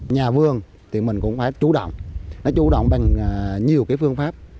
nhà vương thì mình cũng phải chú động nó chú động bằng nhiều phương pháp